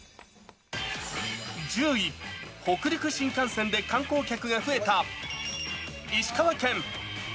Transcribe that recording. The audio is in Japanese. １０位、北陸新幹線で観光客が増えた石川県。